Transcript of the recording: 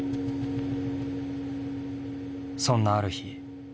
そんなある日。